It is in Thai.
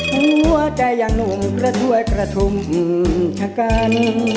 หัวใจอย่างหนุ่มกระถวยกระทุ่มชะกัน